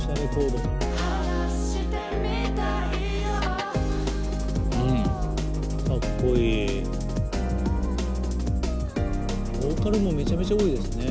ボーカルもめちゃめちゃ多いですね。